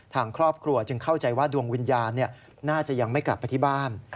ทางครอบครัวจึงเข้าใจว่าดวงวิญญาณน่าจะยังไม่กลับไปที่บ้าน